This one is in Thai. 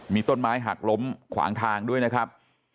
มีต้นไม้หักล้มขวางทางด้วยนะครับ